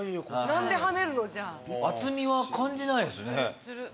何で跳ねるのじゃあ厚みは感じないですね